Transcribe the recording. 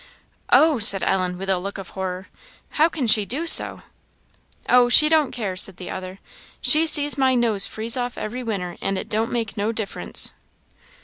"Oh!" said Ellen, with a look of horror, "how can she do so!" "Oh, she don't care," said the other; "she sees my nose freeze off every winter, and it don't make no difference."